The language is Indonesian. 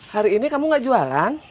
hari ini kamu gak jualan